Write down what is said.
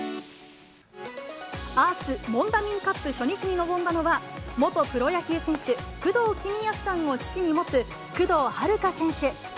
アース・モンダミンカップ初日に臨んだのは、元プロ野球選手、工藤公康さんを父に持つ工藤遥加選手。